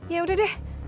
ya udah deh